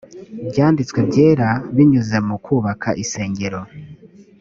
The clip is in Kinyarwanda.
byanditswe byera binyuze mu kubaka insengero